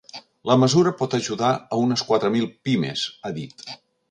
La mesura pot ajudar a unes quatre mil pimes, ha dit.